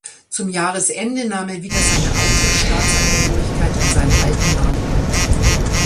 Zum Jahresende nahm er wieder seine alte Staatsangehörigkeit und seinen alten Namen an.